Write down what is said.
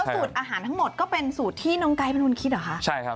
อาหารทั้งหมดก็เป็นสูตรที่น้องไกเป็นคนคิดเหรอค่ะ